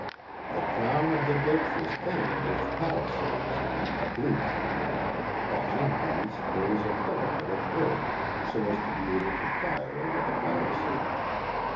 The crown of the ditch is planted with palisades in an oblique form, behind these there is a parapet of earth so as to be able to fire over the palisades.